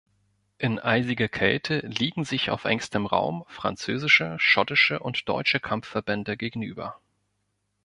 In eisiger Kälte liegen sich auf engstem Raum französische, schottische und deutsche Kampfverbände gegenüber.